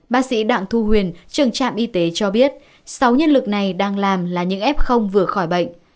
bác sĩ đạng thu huyền trường trạm y tế cho biết sáu nhân lực này đang làm là những ép không vừa khỏi bệnh